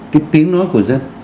cái tiếng nói của dân